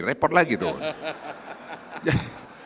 repot lagi tuh